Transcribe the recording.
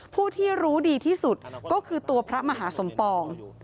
ผู้ที่รู้ดีที่สุดก็คือตัวพระมหาสมปอง